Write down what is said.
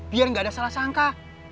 biar gak ada salah sangka